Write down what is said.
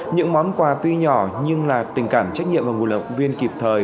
những món quà tuy nhỏ nhưng là tình cảm trách nhiệm và nguồn động viên kịp thời